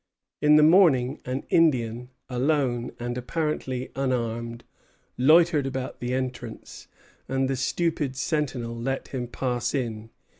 In the morning an Indian, alone and apparently unarmed, loitered about the entrance, and the stupid sentinel let him pass in.